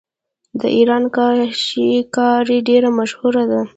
د ایران کاشي کاري ډیره مشهوره ده.